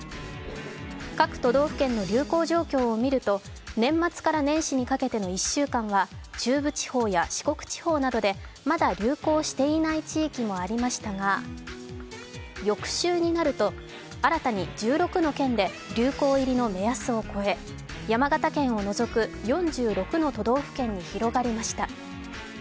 各都道府県の流行状況を見ると年末から年始にかけての１週間は中部地方や四国地方などでまだ流行していない地域もありましたが、翌週になると新たに１６の県で流行入りの目安を越え、山形県をのぞく４６の都道府県に広がりました。